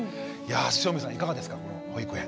汐見さんいかがですかこの保育園。